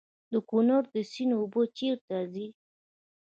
د کونړ سیند اوبه چیرته ځي؟